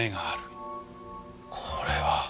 これは。